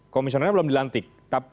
komisioner belum dilantik